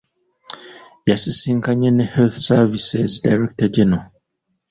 Yasisinkanye ne health Services Director-General.